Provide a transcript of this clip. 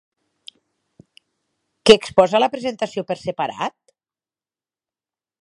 Què exposa la presentació per separat?